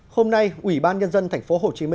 hôm nay ủy ban nhân dân tp hcm